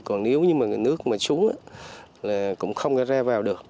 còn nếu như mà nước mà xuống là cũng không ra vào được